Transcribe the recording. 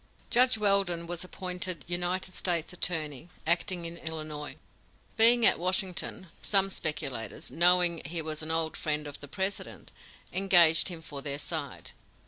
Judge Weldon was appointed United States attorney, acting in Illinois. Being at Washington, some speculators, knowing he was an old friend of the President, engaged him for their side.